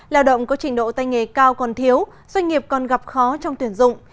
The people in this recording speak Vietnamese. lao động có trình độ tay nghề cao còn thiếu doanh nghiệp còn gặp khó trong tuyển dụng